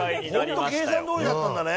ホント計算どおりだったんだね。